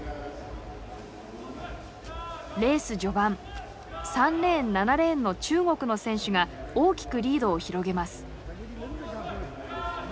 レース序盤３レーン７レーンの中国の選手が大きくリードを広げます。